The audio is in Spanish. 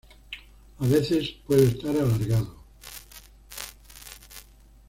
A veces puede estar alargado.